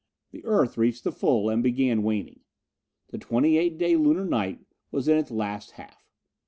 The Earth reached the full, and began waning. The twenty eight day Lunar night was in its last half.